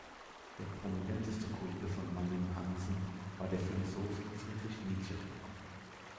Der prominenteste Kunde von Malling-Hansen war der Philosoph Friedrich Nietzsche.